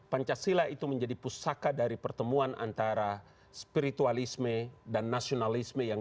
pancasila itu menjadi pusaka dari pertemuan antara spiritualisme dan nasionalisme yang